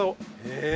へえ！